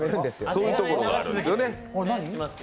そういうところがあるんですよね。